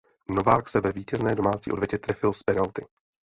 Novák se ve vítězné domácí odvetě trefil z penalty.